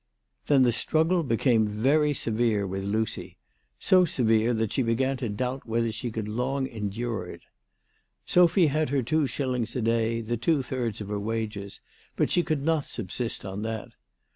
Then the struggle became very severe with Lucy, so severe that she began to doubt whether she could long endure it. Sophy had her two shillings a day, the two thirds of her wages, but she could not subsist on that.